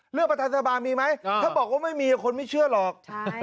ประธานสภามีไหมถ้าบอกว่าไม่มีคนไม่เชื่อหรอก